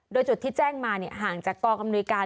โดยจุดที่แจ้งมาห่างจากกองอำนวยการ